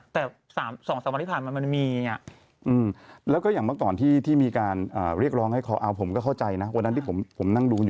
แต่สองวันที่ผ่านมันมีอย่างนี้